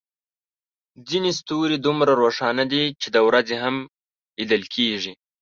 ځینې ستوري دومره روښانه دي چې د ورځې هم لیدل کېږي.